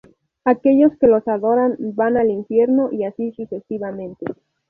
Aquellos que los adoran van al infierno y así sucesivamente.